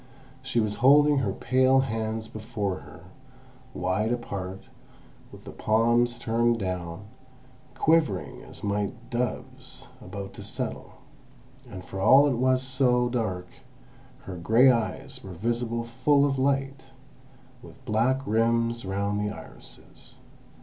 She was holding her pale hands before her, wide apart, with the palms turned down, quivering as might doves about to settle; and for all it was so dark, her grey eyes were visible full of light, with black rims round the irises.